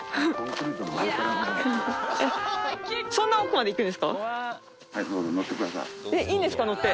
そんな奥まで行くんですか？